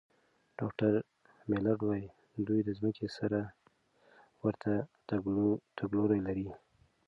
ډاکټر میلرډ وايي، دوی د ځمکې سره ورته تګلوري لري.